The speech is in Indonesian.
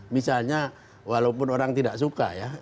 misalnya walaupun orang tidak suka ya